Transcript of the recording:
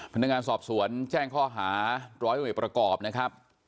พนักงานสอบสวนแจ้งข้อหาร้อยเวทประกอบนะครับ